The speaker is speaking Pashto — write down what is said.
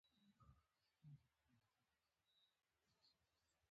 جریان د الکترونونو حرکت دی.